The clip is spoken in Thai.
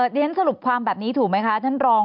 เรียนสรุปความแบบนี้ถูกไหมคะท่านรอง